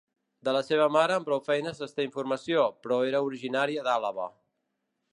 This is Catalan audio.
De la seva mare amb prou feines es té informació, però era originària d'Àlaba.